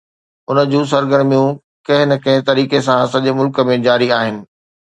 ان جون سرگرميون ڪنهن نه ڪنهن طريقي سان سڄي ملڪ ۾ جاري آهن.